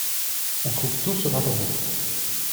On trouve tout sur internet!